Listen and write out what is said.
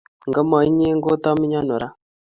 Nga ma inye ngot ami ano ra